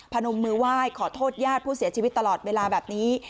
นมมือไหว้ขอโทษญาติผู้เสียชีวิตตลอดเวลาแบบนี้